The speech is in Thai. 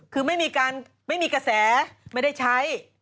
คือไม่มีการไม่มีกระแสไม่ได้ใช้